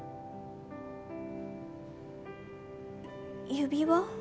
指輪？